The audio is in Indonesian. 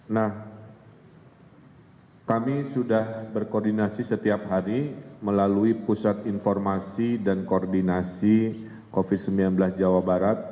nah kami sudah berkoordinasi setiap hari melalui pusat informasi dan koordinasi covid sembilan belas jawa barat